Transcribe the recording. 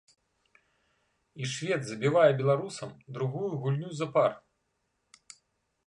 І швед забівае беларусам другую гульню запар.